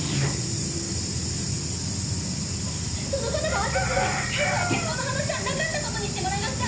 そのことがあってすぐ彼とは結婚の話はなかったことにしてもらいました。